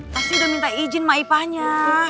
pasti udah minta izin sama ipahnya